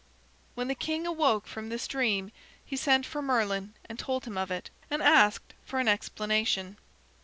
When the king awoke from this dream he sent for Merlin and told him of it, and asked for an explanation.